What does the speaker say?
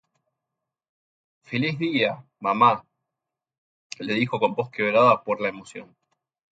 "Feliz día, mamá," le dijo con la voz quebrada por la emoción.